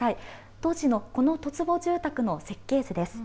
当時のこの十坪住宅の設計図です。